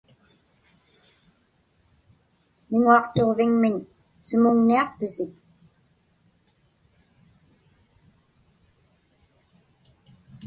Miŋuaqtuġviŋmiñ sumuŋniaqpisik?